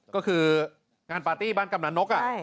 ก็คืองานปาร์ตี้บ้านกำลังนก